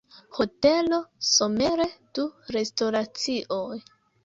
Hotelo, Somere du restoracioj.